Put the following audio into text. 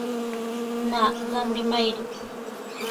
Maa, qam nimayri.